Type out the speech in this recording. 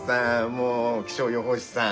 もう気象予報士さん。